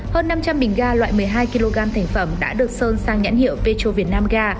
hơn năm trăm linh bình ga loại một mươi hai kg thành phẩm đã được sơn sang nhãn hiệu petro việt nam ga